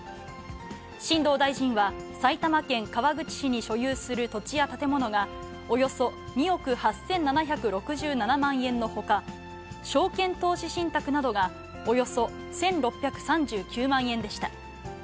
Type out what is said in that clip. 新藤大臣は、埼玉県川口市に所有する土地や建物が、およそ２億８７６７万円のほか、証券投資信託などがおよそ１６３９万円でした。